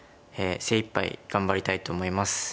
精いっぱい頑張りたいと思います。